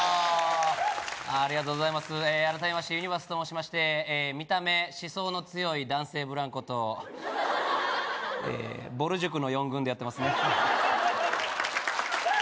ありがとうございます改めましてゆにばーすと申しまして見た目思想の強い男性ブランコとえぼる塾の４軍でやってますね